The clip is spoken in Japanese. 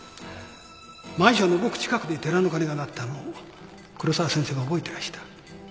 マンションのごく近くで寺の鐘が鳴ったのを黒沢先生が覚えてらした。